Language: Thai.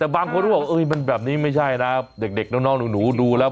แต่บางคนก็บอกเออมันแบบนี้ไม่ใช่นะเด็กเด็กนอกนอกหนูหนูดูแล้ว